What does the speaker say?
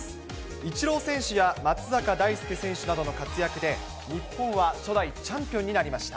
イチロー選手や、松坂大輔選手などの活躍で、日本は初代チャンピオンになりました。